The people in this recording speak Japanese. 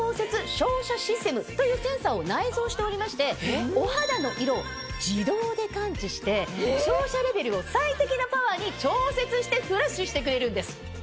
というセンサーを内蔵しておりましてお肌の色を自動で感知して照射レベルを最適なパワーに調節してフラッシュしてくれるんです。